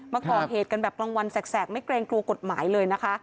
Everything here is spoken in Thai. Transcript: มาก่อเหตุกันแบบกลางวันแสกไม่เกรงกลัวกฎหมายเลยนะคะ